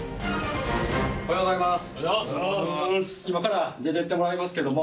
おはようございます。